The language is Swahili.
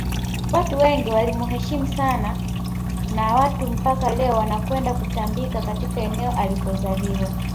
watu wengi walimuheshimu sana na watu mpaka leo wanakwenda kutambika katika eneo alikozaliwa